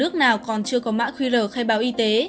nước nào còn chưa có mã khuy rời khai báo y tế